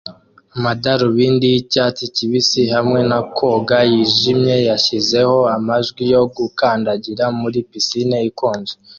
Amadarubindi y'icyatsi kibisi hamwe na koga yijimye yashyizeho amajwi yo gukandagira muri pisine ikonje